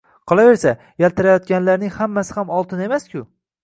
Qolaversa, yaltirayotganlarning hammasi ham oltin emas-ku